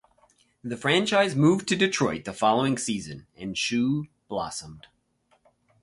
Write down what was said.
The franchise moved to Detroit the following season, and Shue blossomed.